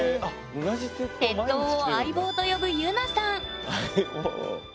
鉄塔を「相棒」と呼ぶゆなさん相棒。